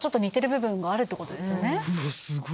うわっすごい！